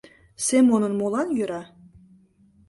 — Семонын молан йӧра?